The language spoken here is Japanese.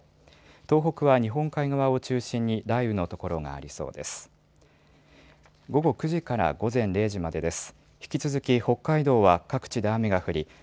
東北は日本海側を中心に雷雨の所がありそうです。